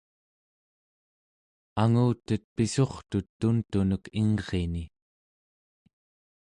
angutet pissurtut tuntunek ingrini